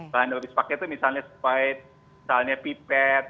bahan habis dipakai itu misalnya spide misalnya pipet